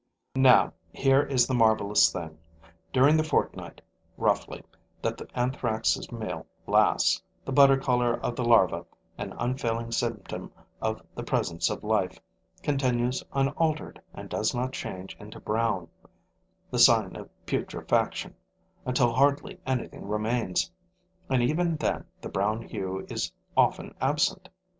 Now here is the marvelous thing: during the fortnight, roughly, that the Anthrax' meal lasts, the butter color of the larva, an unfailing symptom of the presence of life, continues unaltered and does not change into brown, the sign of putrefaction, until hardly anything remains; and even then the brown hue is often absent.